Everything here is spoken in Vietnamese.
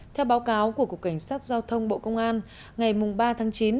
theo báo cáo của cục cảnh sát giao thông bộ công an ngày ba tháng chín